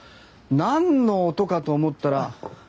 何の音かと思ったら。